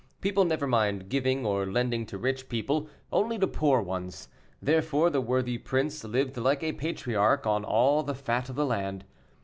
People never mind giving or lending to rich people, only to poor ones; therefore the worthy prince lived like a patriarch on all the fat of the land.